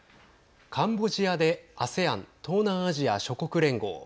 カンボジアでＡＳＥＡＮ＝東南アジア諸国連合。